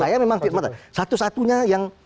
saya memang firman satu satunya yang